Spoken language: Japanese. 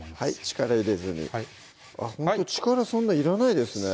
力入れずにあっほんと力そんないらないですね